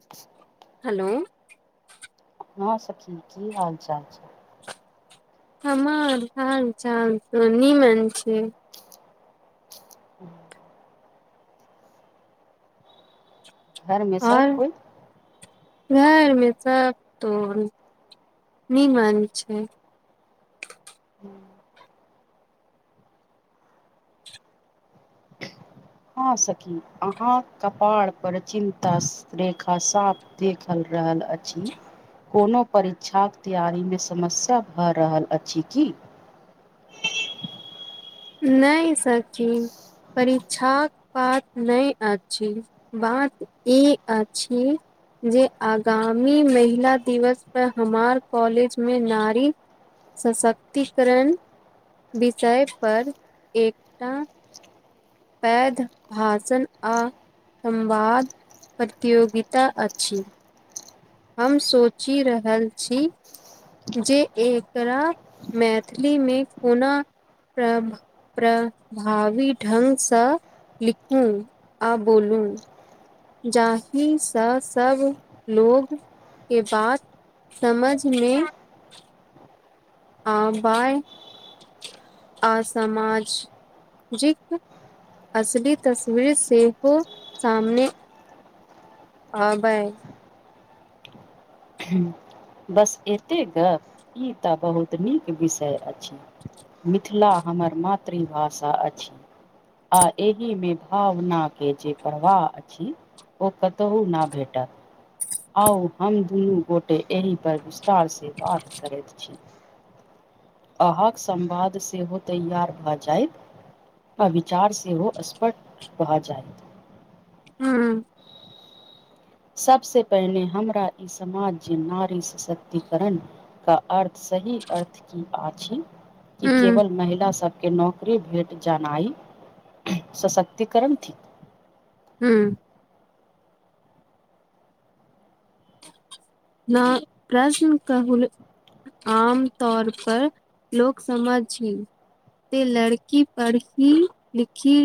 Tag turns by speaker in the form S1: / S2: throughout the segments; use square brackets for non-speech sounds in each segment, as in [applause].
S1: [inaudible]
S2: Hello
S1: हँ सखी की हालचाल छै
S2: हमर हाल चाल त निमन छै
S1: ह। घर मे
S2: और
S1: सभ कोइ।
S2: घर मे सभ तो नीमन छै।
S1: हँ, सखी अहाँ कपाड़ पर चिन्ता रेखा साफ देखलऽ रहल अछि। कोनो परीक्षा के तैआरी मे समस्या भऽ रहल अछि कि
S2: नहि सखी परीक्षा कऽ पात नहि अछि। बात ई अछि। जे आगमी महिला दिवस पर हमार कॉलेजमे नारी। सशक्तिकरण, विषय पर एकटा पैघ, भाषण आ। संवाद प्रतियोगिता अछि। हम सोचि रहल छै। जे एकरा मैथिलीमे कोन प्र। प्रभावी ढंग सँ लिखू आ बोलू। जाहि सँ सभ लोग के बात। समझमे आबाय आ समाज। असली तस्वीर सेहो सामने आबे
S1: बस एतेक गप ई तऽ बहुत निक विषय अछि
S2: [inaudible]
S1: मिथिला हमर मातृभाषा अछि। आ एहि ममे भावनाके जे प्रवाह अछि ओ कतहूँ न भेटत आउ हम दुनू गोटे एहि पर विस्तार से बात करैत छै। अहाँकेँ सम्वाद सेहो तैआर भऽ जायत आ विचार सेहो स्पष्ट भऽ जाय।
S2: हँ।
S1: सभसँ पहिने हमरा ई समाज नारी शक्तिकरण का। अर्थ सही अर्थ कि अछि, कि
S2: हूँ
S1: केवल महिला सभ के नौकरी भेट जनाइ शक्तिकरण।
S2: हू। ना प्रश्न कहुल। आम तौर पर लोक समझी छै। से लड़की पढ़ी लिखी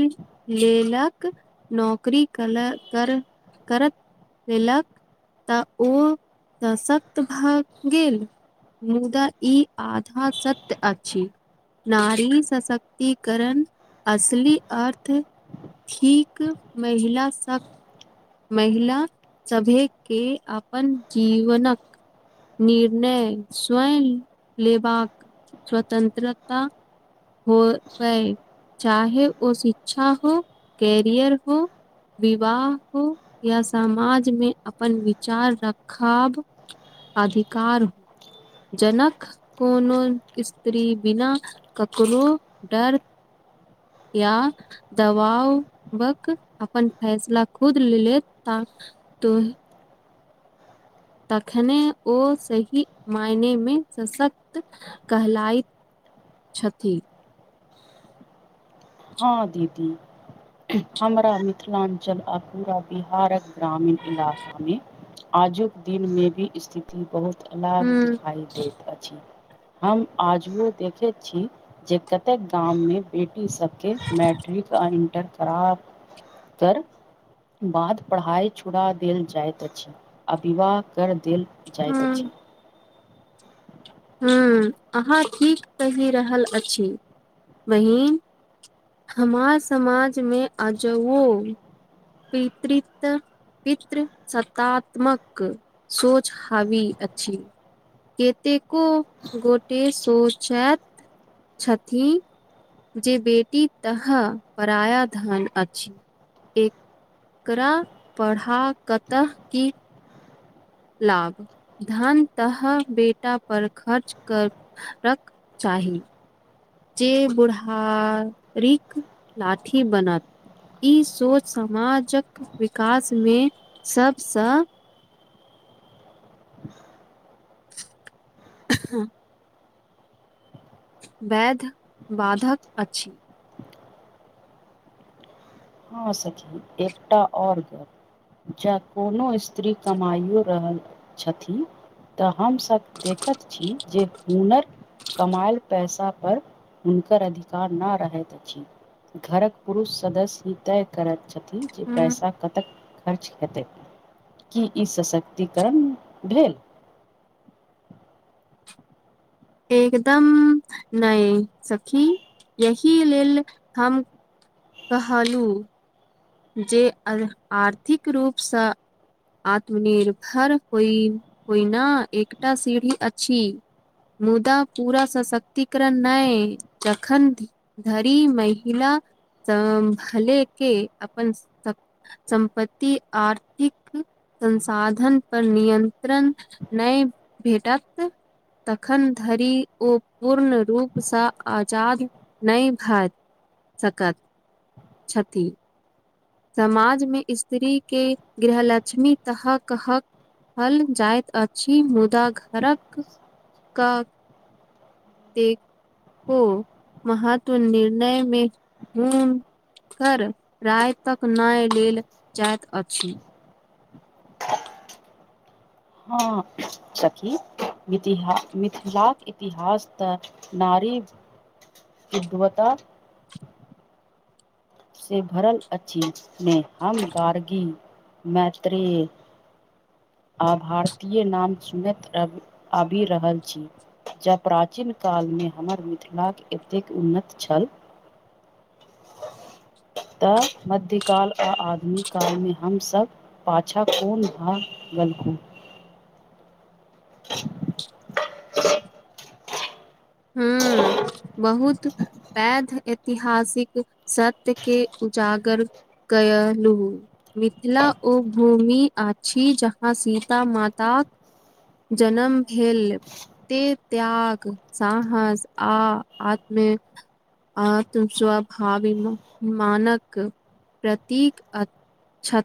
S2: लेल कऽ। नौकरी कल कर करते लेलकऽ। त ओ शक्त भए गेल। मुदा ई आधा सत्य अछि। नारी शक्तिकरण असली अर्थ। ठीक महिला सभ। महिला सभीके अपन जीवन कऽ। निर्णय स्वयं लेबाकऽ स्वतंत्रता। हो पे चाहे ओ शिक्षा हो कैरियर हो विवाह हो या समाज मे अपन विचार रखा अधिकार जनक कोनो स्त्री बिना ककरो डर या दबावक अपन फैसला खुद लेल ता तो तखने ओ सही मायने मे सशक्त कहलाइत छठि
S1: हँ दीदी हमरा मिथिलाञ्चल आ पूरा बिहारक ग्रामीण इलाका में आजुक दिन में भी स्थिति बहुत अलग
S2: हुं,
S1: दिखाई देत अछि हम आजु देखे छी जे कतेक गाम मे बेटी सब मैट्रिक आ इन्टर खराब त बाद पढ़ाइ छुड़ा देल जाइत अछि आ विवाह कर देल जाइत
S2: हुं,
S1: अछि
S2: ह्म अहाँ ठीक कहि रहल अछि बहिन हमार समाजमे अजवो पितृत पितृ सत्तात्मक सोच हावी अछि केतेको गोटे शोचत छथिन जे बेटी तह पराया धन अछि एकरा पढ़ा कतऽ की लाभ धन तह बेटा पर खर्च कर रख चाही जे बुढ़ारीक लाठी बनत ई सोच समाजक विकासमे सबसँ हँ वैध बाधक अछि
S1: हँ सची एकटा ओर गप जँ कोनो स्त्री कमाइयो रहल छथि तऽ हमसभ देखैत छी जे हुनर कमायल पैसापर हुनकर अधिकार ना रहैत अछि घरक पुरुष सदस्य ई तय करैत छथिन जे
S2: ह
S1: पैसा कतक खर्च हेतै की ई सशक्तिकरण भेल
S2: एकदम नय सखी यही लेल हम कहलू जे आर्थिक रूपसँ आत्मनिर्भर होइ होइना एकटा सीढ़ी अछि मुदा पूरा सशक्तिकरण नय जखन धरी महिला भले के अपन स सम्पति आर्थिक संसाधन पर नियंत्रण नय भेटत तखन धरि ओ पूर्ण रूपसँ आजाद नय भए सकैत छथि समाज मे स्त्री के गृहलक्ष्मी तह कह कह हल जाइत अछि मुदा घरक क दे को महत्व निर्णयमे ह कर राय तक नय लेल जाइत अछि
S1: हँ सखी मिथि मिथिलाक इतिहास तऽ नारी उद््वता से भरल अछि ने हम गार्गी मैत्रे आ भारतीय नाम सुनैत आबि रहल छी जँ प्राचीन कालमे हमर मिथिलाक एतेक उन्नत छल तऽ मध्य काल आ आधुन कालमे हमसभ पाछा कोन भा गलखू
S2: हूँ बहुत वैध ऐतिहासिक सत्य के उजागर कय लू मिथिला उ भूमि अछी जहाँ सीता माताक जनम भेल ते त्याग साहस आ आत्म आ तुम स्वभावी मानक प्रतीक छ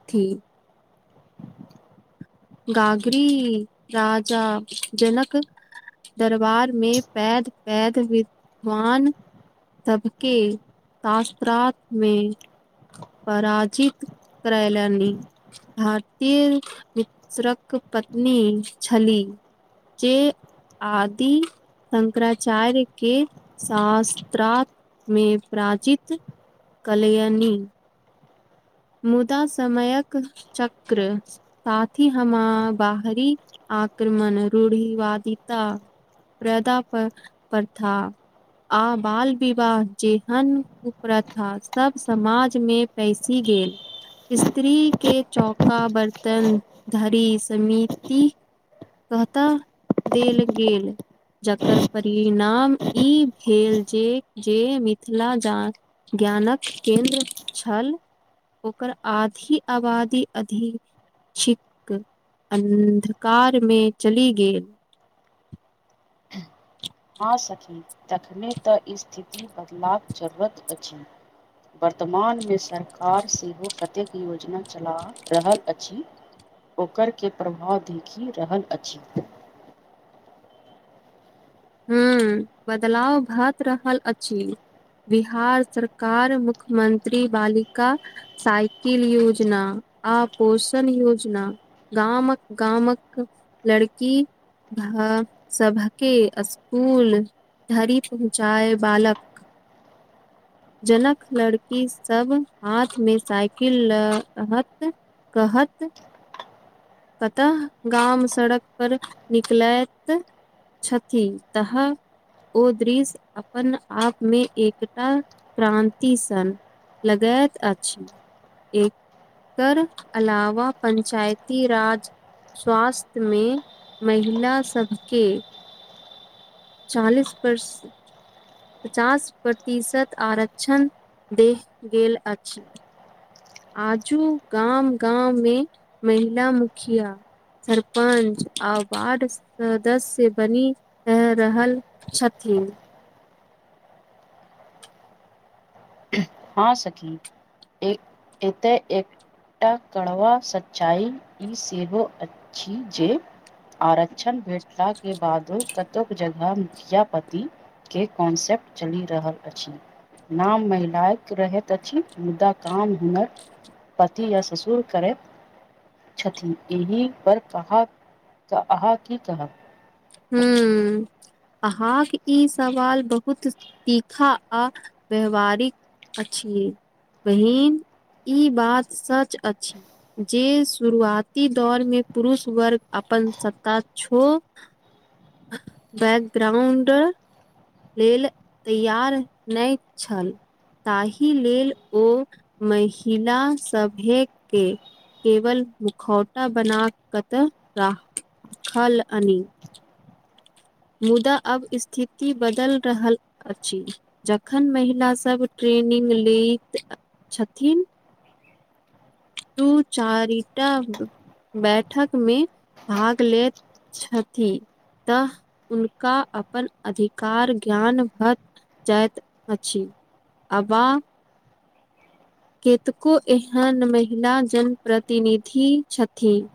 S2: गाग्री राजा जनक दरबार मे पैद पैद विद्वान सबके शास्त्रात में पराजित करैल भारतीय क पत्नी छली जे आदि शंकराचार्य के शास्त्र में प्राचित कलयनी मुदा समयक चक्र साथी हमरा बाहरी आक्रमण रूढ़िवादिता प्रदा परथा आ बाल विवाह जेहन कुप्रथा सब समाज में पैसा सी गेल स्त्री के चौका बर्तन धरी समि कहता देल गेल जकर परिणाम ई भेल जे जे मिथिला ज ज्ञानक केन्द्र छल ओकर आधी आबादी अधी छिक अन्धकार मे चलि गेल
S1: हँ सखी तखने तऽ स्थिति बदलबाक जरूरत अछि वर्तमानमे सरकार सेहो कतेक योजना चला रहल अछि ओकर के प्रभाव देखि रहल अछि
S2: ह्म बदलाव भ रहल अछि बिहार सरकार मुख्यमंत्री बालिका साइकिल योजना आ पोषण योजना गामक गामक लड़की सभके कूल घरी पहुँचाए बालक
S1: [inaudible]
S2: जनक लड़की सब हाथ मे साइकिल ल रहत कहत कतहऽ गाम सड़क पर निकलैत छथि तहः ओ दृश्य अपन आपमे एकटा क्रांति सन लगायैत अछि एकर अलावा पंचायती राज स्वास्थ्य मे महिला सबके चालीस वर्ष पचास प्रतिशत आरक्षण द गेल अछि आजू गाँम गाँम मे महिला मुखिया सरपंच आ वार्ड सदस्य बनी रहल छथिन
S1: हँ सखी एते [unintelligible] एकटा कड़वा सच्चाइ ई सेहो अछि जे आरक्षण भेटला के बादो कतो जगह मुखिया पति के कॉन्सेप्ट चलि रहल अछि नाम महिलाक रहैत अछि मुदा काम हुनर पति या ससुर करैत छथि एहि पर अहाँ की कहब
S2: [unintelligible] अहाँक ई सवाल बहुत तीखा आ व्याववहारिक अछि बहिन ई बात सच अछि जे शुरुआती दौर मे पुरुष वर्ग अपन सत्त छो बैकग्राउंड लेल तैयार नाए छल ताहि लेल ओ महिला सभे के केवल मुखौटा बना कतऽ राखलनी मुदा आब स्थिति बदल रहल अछि जखन महिला सभ ट्रेनिंग लैत छथिन दू चारटा [inaudible] बैठक मे भाग ले छथि तऽ हुनका अपन अधिकार ज्ञान भ जात अछि [inaudible] अबा कतेको एहन महिला जन प्रतिनिधि छथिन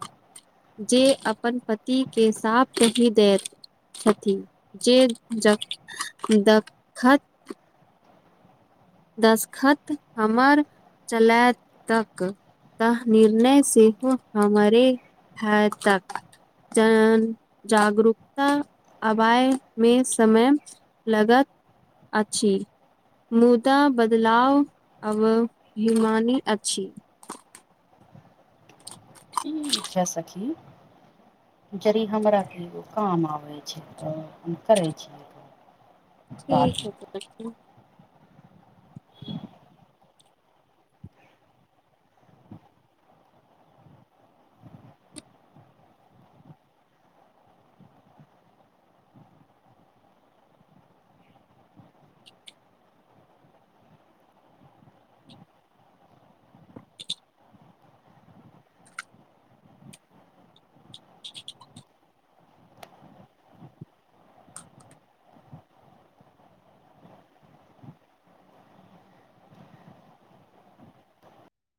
S2: जे अपन पति के साफ कही देत [unintelligible] दस्तखत हमर चलैतक तऽ निर्णय सेहो हमरे ह तक जागरूकता आबए मे समय लगत अछि मु बदलाव अब हिमानी अछि
S1: ठीक है सखी जड़ि हमरा के एगो काम आबै छै तऽ हम करै छियै [inaudible]
S2: ठीक हइ बहिन [unintelligible]